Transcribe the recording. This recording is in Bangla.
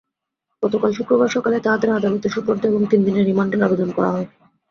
গতকাল শুক্রবার সকালে তাঁদের আদালতে সোপর্দ এবং তিন দিনের রিমান্ডের আবেদন করা হয়।